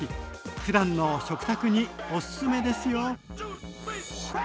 ふだんの食卓におすすめですよ。